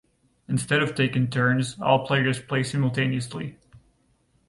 Instead of taking turns, all players play simultaneously.